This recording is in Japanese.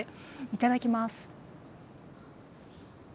いただきます。